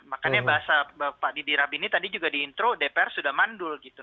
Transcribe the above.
makanya bahasa pak didi rabini tadi juga di intro dpr sudah mandul gitu